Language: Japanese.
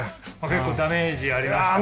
結構ダメージありましたか？